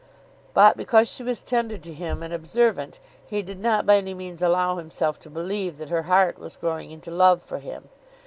But because she was tender to him and observant, he did not by any means allow himself to believe that her heart was growing into love for him.